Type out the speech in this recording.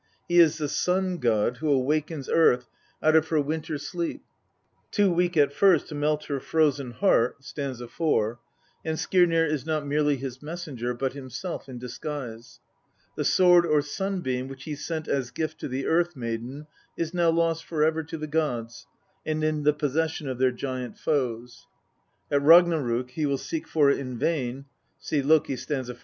He is the Sun god who awakens earth out of her winter INTRODUCTION. XLI sleep, too weak at first to melt her frozen heart (st. 4) ; and Skirnir is not merely his messenger, but himself in disguise. The sword or sun beam which he sent as gift to the earth maiden is now lost for ever to the gods, and in the possession of their giant foes. At Ragnarok he will seek for it in vain (see Lok., st. 42).